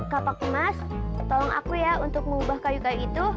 kak pak kemas tolong aku ya untuk mengubah kayu kayu itu